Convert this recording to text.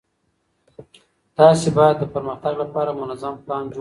تاسي بايد د پرمختګ لپاره منظم پلان جوړ کړئ.